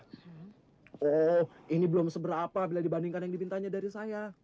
oh ini belum seberapa bila dibandingkan yang dipintanya dari saya